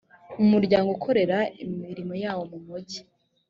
umuryango ukorera imirimo yawo mu mujyi